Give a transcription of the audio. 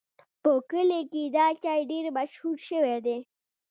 په کلي کې دا چای ډېر مشهور شوی دی.